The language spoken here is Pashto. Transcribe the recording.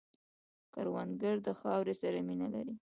کروندګر د خاورې سره مینه لري